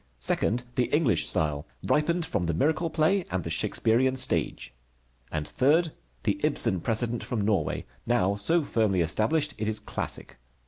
Second, the English style, ripened from the miracle play and the Shakespearian stage. And third, the Ibsen precedent from Norway, now so firmly established it is classic.